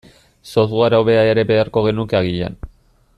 Software hobea ere beharko genuke agian.